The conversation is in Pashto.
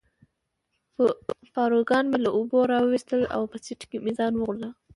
پاروګان مې له اوبو را وویستل او په سیټ کې مې ځان وغورځاوه.